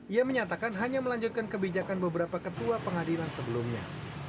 ia menyatakan hanya melanjutkan kebijakan beberapa ketua pengadilan sebelumnya